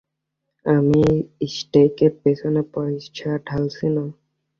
আমি স্টেকের পেছনে পয়সা ঢালছি না।